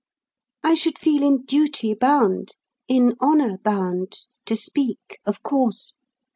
I should feel in duty bound, in honour bound, to speak, of course.